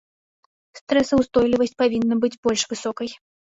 Стрэсаўстойлівасць павінна быць больш высокай.